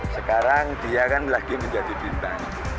sekarang dia kan lagi menjadi bintang